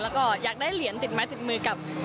แล้วก็อยากได้เหรียญติดไม้ติดมือกับ